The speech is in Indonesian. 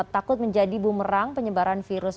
takut menjadi bumerang penyebaran virus